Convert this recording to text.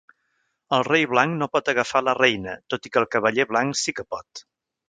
El rei blanc no pot agafar la reina, tot i que el cavaller blanc sí que pot.